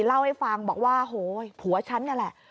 เล่าให้ฟังบอกว่าโหยผัวฉันนั่นแหละ